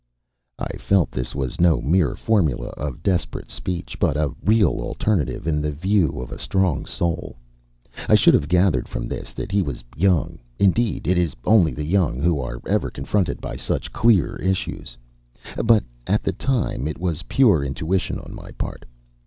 I felt this was no mere formula of desperate speech, but a real alternative in the view of a strong soul. I should have gathered from this that he was young; indeed, it is only the young who are ever confronted by such clear issues. But at the time it was pure intuition on my part.